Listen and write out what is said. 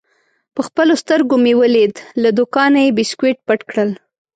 په خپلو سترګو مې ولید: له دوکانه یې بیسکویټ پټ کړل.